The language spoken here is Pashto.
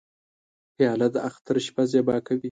پیاله د اختر شپه زیبا کوي.